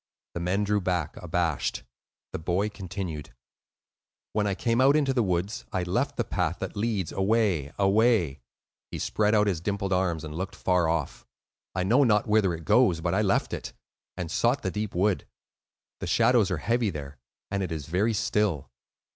The men drew back abashed. The boy continued,— "When I came out into the woods, I left the path that leads away—away,"—he spread out his dimpled arms and looked far off,—"I know not whither it goes, but I left it, and sought the deep wood. The shadows are heavy there, and it is very still.